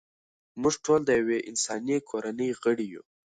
موږ ټول د یوې انساني کورنۍ غړي یو.